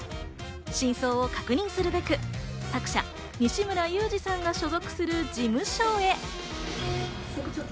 真相を確認するべく作者・にしむらゆうじさんが所属する事務所へ。